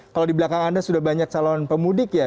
kalau di belakang anda sudah banyak calon pemudik ya